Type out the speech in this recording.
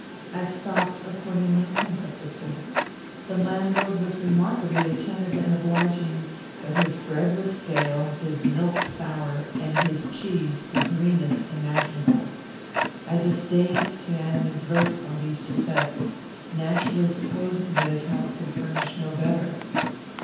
I stopped, accordingly, and breakfasted. The landlord was remarkably attentive and obliging, but his bread was stale, his milk sour, and his cheese the greenest imaginable. I disdained to animadvert on these defects, naturally supposing that his house could furnish no better.